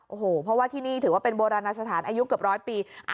โอ้โหเพราะว่าที่นี่ถือว่าเป็นโบราณสถานอายุเกือบร้อยปี